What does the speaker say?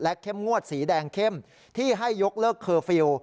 เข้มงวดสีแดงเข้มที่ให้ยกเลิกเคอร์ฟิลล์